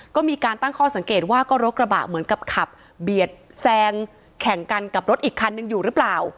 ก็มีการตั้งข้อสังเกตว่าก็รถกระบะเหมือนกับขับเบียดแซงแข่งกันกับรถอีกคันนึงอยู่หรือเปล่า